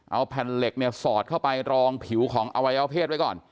เอาแผ่นเหล็กเนี่ยสอดเข้าไปรองผิวของอวัยวเพศไว้ก่อน